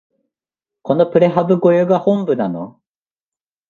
このプレハブ小屋が本部なの？